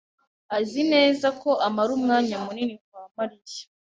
azi neza ko amara umwanya munini kwa Mariya.